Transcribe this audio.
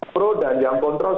pro dan yang kontrol